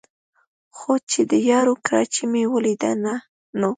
خو چې د یارو کراچۍ مې ولېده نو